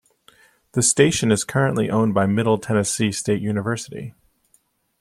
The station is currently owned by Middle Tennessee State University.